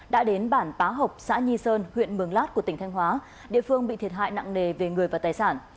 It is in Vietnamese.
đã đến bản bá hộc xã nhi sơn huyện mường lát của tỉnh thanh hóa địa phương bị thiệt hại nặng nề về người và tài sản